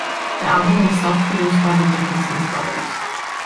The album was self-produced by the Dickinson Brothers.